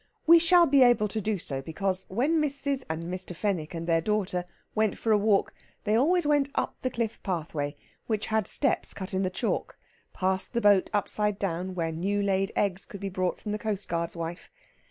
We shall be able to do so, because when Mrs. and Mr. Fenwick and their daughter went for a walk they always went up the cliff pathway, which had steps cut in the chalk, past the boat upside down, where new laid eggs could be bought from a coastguard's wife.